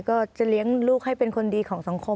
ก็จะเลี้ยงลูกให้เป็นคนดีของสังคม